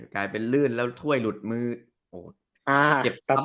กลายเป็นลื่นแล้วถ้วยหลุดมือโอ้จบท้อง